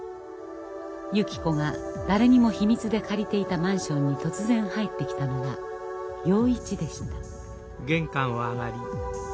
ゆき子が誰にも秘密で借りていたマンションに突然入ってきたのは洋一でした。